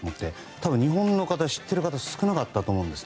多分、日本で知っている方少なかったと思うんです。